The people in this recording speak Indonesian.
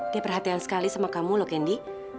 dia perhatian sekali sama kamu lho candy